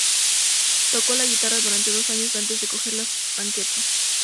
Tocó la guitarra durante dos años antes de coger las baquetas.